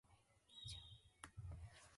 Umaykićhaw chukuykita churaykuy.